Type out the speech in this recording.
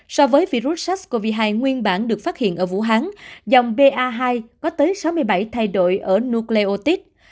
so với virus sars cov hai nguyên bản được phát hiện ở vũ hán dòng ba có tới sáu mươi bảy thay đổi ở nucleotis